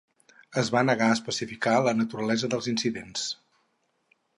Es va negar a especificar la naturalesa dels incidents.